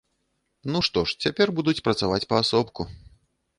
Ну, што ж, цяпер будуць працаваць паасобку.